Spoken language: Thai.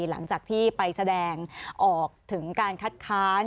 หลังจากที่ไปแสดงออกถึงการคัดค้าน